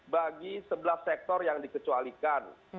bagi sebelas sektor yang dikecualikan